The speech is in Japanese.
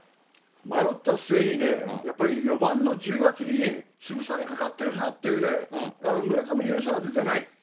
迷った末にね、やっぱり４番の重圧に潰されかかってるなっていうね、村上のよさが出てない。